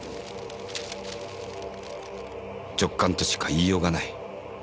直感としか言いようがない。